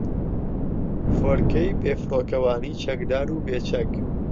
فۆرکەی بێفڕۆکەوانی چەکدار و بێچەک